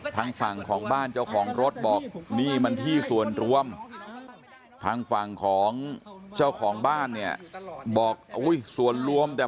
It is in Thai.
ทางฝั่งของบ้านเจ้าของรถบอกนี่มันที่ส่วนร่วม